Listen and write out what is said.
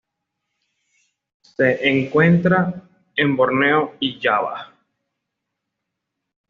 Se encuentra en Borneo y Java.